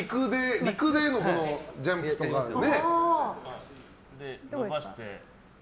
陸でのジャンプとかね。